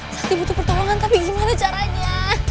pasti butuh pertolongan tapi gimana caranya